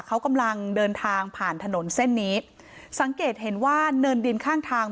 เขากำลังเดินทางผ่านถนนเส้นนี้สังเกตเห็นว่าเนินดินข้างทาง